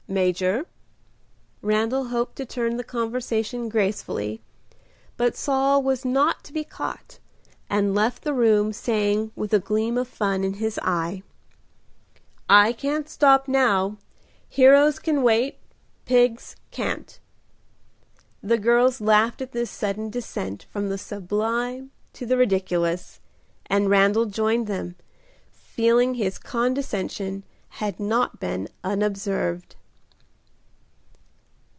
Major." Randal hoped to turn the conversation gracefully, but Saul was not to be caught, and left the room, saying, with a gleam of fun in his eye, "I can't stop now; heroes can wait, pigs can't." The girls laughed at this sudden descent from the sublime to the ridiculous, and Randal joined them, feeling his condescension had not been unobserved.